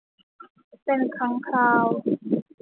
เป็นครั้งคราว